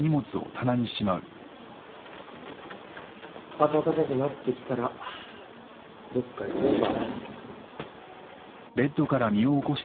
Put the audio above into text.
暖かくなってきたらどっか行こうか。